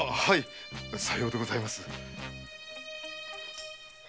さようでございます。